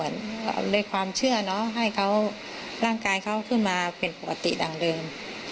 ในความเชื่อให้เขาร่างกายเขาขึ้นมาเป็นปกติดังเดิม